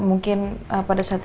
ininda budi itu apa kan bes